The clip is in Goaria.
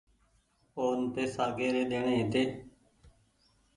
اون پئيسا ڪيري ڏيڻي هيتي۔